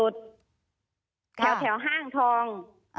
แถวห้างทอง